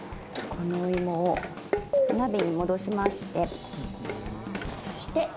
このお芋をお鍋に戻しましてそして。